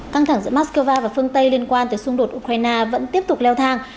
căng thẳng giữa moscow và phương tây liên quan tới xung đột ukraine vẫn tiếp tục leo thang